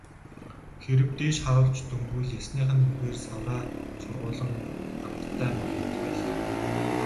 Хэрэв дээш харуулж дөнгөвөл ясных нь нүхээр савраа шургуулан амттай мах идэх байлаа.